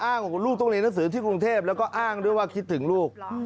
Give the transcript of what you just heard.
บอกว่าลูกต้องเรียนหนังสือที่กรุงเทพแล้วก็อ้างด้วยว่าคิดถึงลูก